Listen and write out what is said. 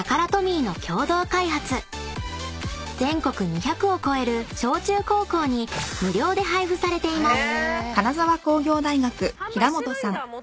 ［全国２００を超える小中高校に無料で配布されています］